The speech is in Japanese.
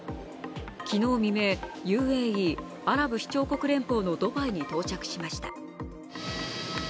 昨日未明、ＵＡＥ＝アラブ首長国連邦のドバイに到着しました。